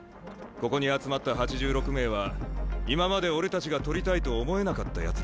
ここに集まった８６名は今まで俺たちが獲りたいと思えなかったやつらなんだ。